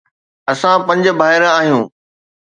اسان پنج ڀائر آهيون.